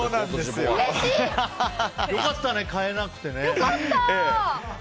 よかったね、変えなくてね。